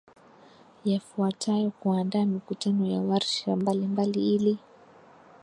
yafuatayo Kuandaa mikutano na warsha mbalimbali ili